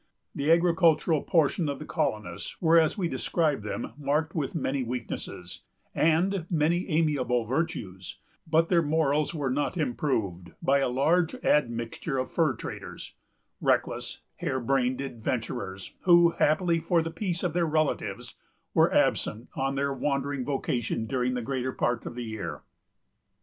The agricultural portion of the colonists were, as we have described them, marked with many weaknesses, and many amiable virtues; but their morals were not improved by a large admixture of fur traders,——reckless, harebrained adventurers, who, happily for the peace of their relatives, were absent on their wandering vocation during the greater part of the year.